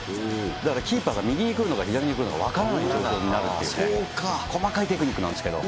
だからキーパーが右に来るのか、左に来るのか分からない状況になるっていうね、細かいテクニックなんですけど。